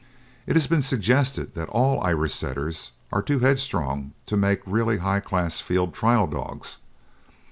It has been suggested that all Irish Setters are too headstrong to make really high class field trial dogs.